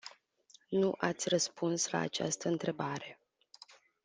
Nu ați răspuns la această întrebare.